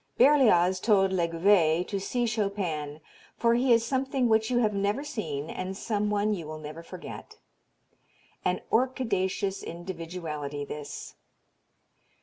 Berlioz told Legouve to see Chopin, "for he is something which you have never seen and some one you will never forget." An orchidaceous individuality this.